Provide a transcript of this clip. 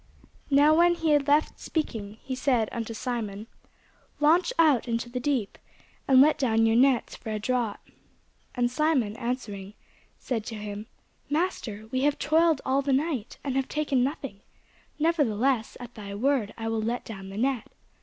Now when he had left speaking, he said unto Simon, Launch out into the deep, and let down your nets for a draught. And Simon answering said unto him, Master, we have toiled all the night, and have taken nothing: nevertheless at thy word I will let down the net.